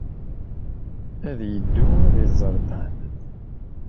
Ad yeddu ad iẓer Dan.